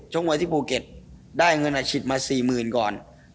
มวยที่ภูเก็ตได้เงินอาชีพมา๔๐๐๐ก่อน